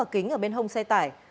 kính ở bên hông xe tải